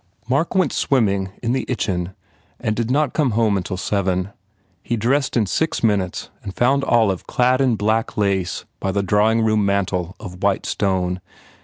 Mark went swimming in the Itchen and did not come home until seven. He dressed in six minutes and found Olive clad in black lace by the drawing room mantel of white stone.